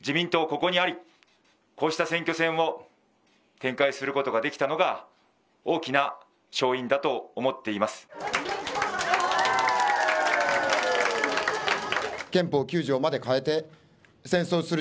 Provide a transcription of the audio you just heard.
ここにあり、こうした選挙戦を展開することができたのが大きな勝因だと思っています。